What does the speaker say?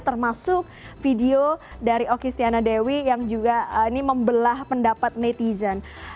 termasuk video dari oki stiana dewi yang juga ini membelah pendapat netizen